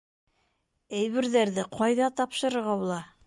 Әйберҙәрҙе ҡайҙа тапшырырға була?